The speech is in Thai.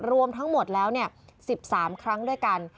รวมทั้งหมดแล้ว๑๓ครั้งด้วยกัน